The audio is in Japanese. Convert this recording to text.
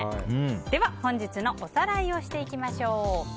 本日のおさらいをしていきましょう。